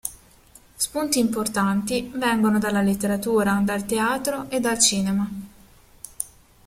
Spunti importanti, vengono dalla letteratura, dal teatro e dal cinema.